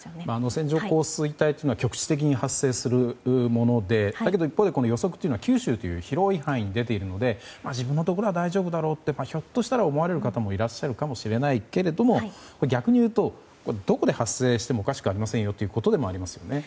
線状降水帯というのは局地的に発生するものでだけど一方で予測は九州という広い範囲に出ているので自分のところは大丈夫だろうとひょっとしたら思われる方もいらっしゃるかもしれないけど逆に言うと、どこで発生してもおかしくないということでもありますよね。